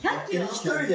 １人で？